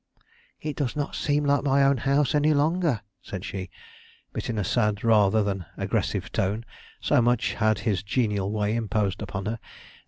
"It does not seem like my own house any longer," said she, but in a sad, rather than an aggressive tone; so much had his genial way imposed upon her.